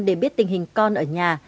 để biết tình hình con ở nhà